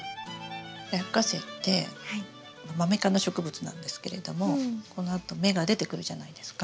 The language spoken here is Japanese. ラッカセイってマメ科の植物なんですけれどもこのあと芽が出てくるじゃないですか。